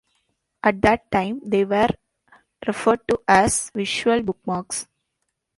At that time, they were referred to as visual bookmarks.